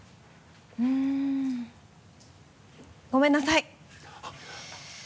うん。ごめんなさい。